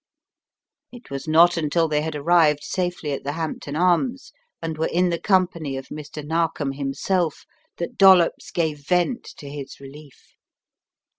It was not until they had arrived safely at the Hampton Arms and were in the company of Mr. Narkom himself that Dollops gave vent to his relief.